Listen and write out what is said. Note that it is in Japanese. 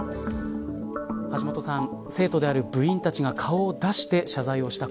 橋下さん、生徒である部員たちが顔を出して謝罪をした。